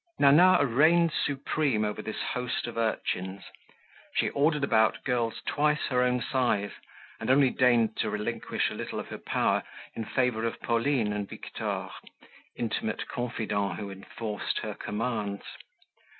Nana reigned supreme over this host of urchins; she ordered about girls twice her own size, and only deigned to relinquish a little of her power in favor of Pauline and Victor, intimate confidants who enforced her commands.